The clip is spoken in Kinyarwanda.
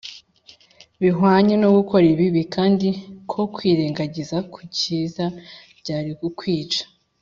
bihwanye no gukora ibibi; kandi ko kwirengagiza gukiza byari ukwica